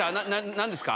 何ですか？